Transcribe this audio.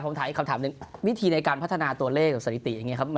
ผมถามอีกคำถามหนึ่งวิธีในการพัฒนาตัวเลขสถิติอย่างนี้ครับ